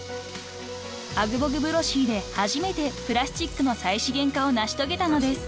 ［アグボグブロシーで初めてプラスチックの再資源化を成し遂げたのです］